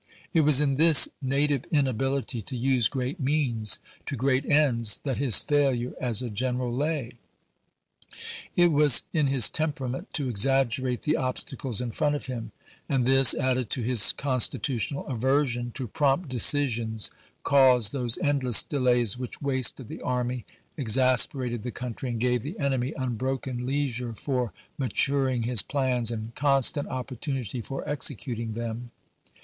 It was in this native inability to use great means, to great ends that his failure as a general lay. It . was in his temperament to exaggerate the obstacles in front of him, and this, added to his constitutional aversion to prompt decisions, caused those endless delays which wasted the army, exasperated the country, and gave the enemy unbroken leisure for maturing his plans, and constant opportunity for executing them.